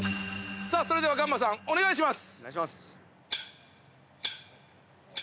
さあそれでは願羽さんお願いします。